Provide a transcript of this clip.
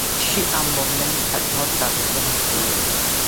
ფიში ამ მოვლენით საკმაოდ გაღიზიანებული იყო.